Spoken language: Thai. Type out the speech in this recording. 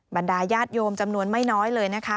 บรรดาญาติโยมจำนวนไม่น้อยเลยนะคะ